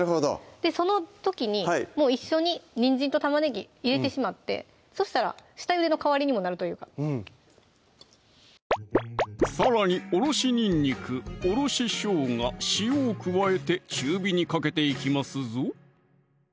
その時にもう一緒ににんじんと玉ねぎ入れてしまってそしたら下ゆでの代わりにもなるというかうんさらにおろしにんにく・おろししょうが・塩を加えて中火にかけていきますぞ